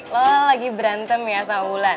lo lagi berantem ya saulan